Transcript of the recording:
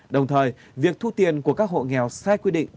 đồng thời việc thu tiền của các hộ nghèo sai quy định